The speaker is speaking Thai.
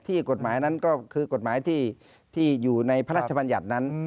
กฎหมายนั้นก็คือกฎหมายที่อยู่ในพระราชบัญญัตินั้น